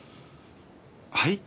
はい？